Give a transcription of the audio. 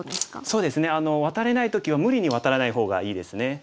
そうですねワタれない時は無理にワタらない方がいいですね。